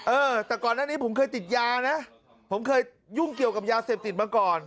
เออแต่ก่อนหน้านี้ผมเคยติดยานะผมเคยยุ่งเกี่ยวกับยาเสพติดมาก่อน